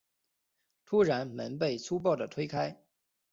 突然门被粗暴的推开